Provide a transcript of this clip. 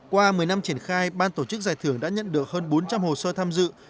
qua một mươi năm triển khai ban tổ chức giải thưởng đã nhận được hơn bốn trăm linh hồ sơ tham dự